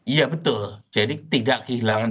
iya betul jadi tidak kehilangan